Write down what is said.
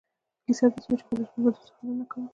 کیسه داسې وه چې قریشو به دوه سفرونه کول.